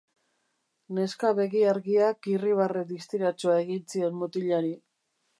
Neska begi-argiak irribarre distiratsua egin zion mutilari.